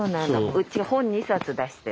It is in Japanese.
うち本２冊出してる。